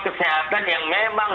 kesehatan yang memang